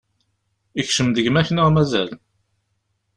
Ikcem-d gma-k neɣ mazal?